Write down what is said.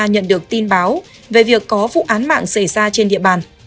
nhận được tin báo về việc có vụ án mạng xảy ra trên địa bàn